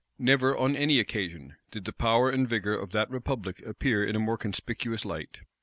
Never, on any occasion, did the power and vigor of that republic appear in a more conspicuous light.